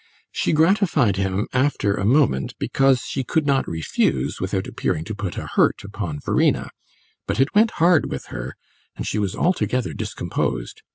She gratified him after a moment, because she could not refuse without appearing to put a hurt upon Verena; but it went hard with her, and she was altogether discomposed.